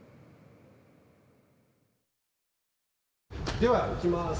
でもではいきます。